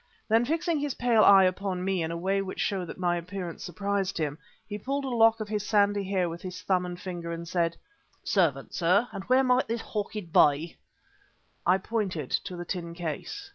Then, fixing his pale eye upon me in a way which showed that my appearance surprised him, he pulled a lock of his sandy hair with his thumb and finger and said: "'Servant, sir, and where might this horchid be?" I pointed to the tin case.